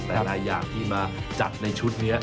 หลายอย่างที่มาจัดในชุดนี้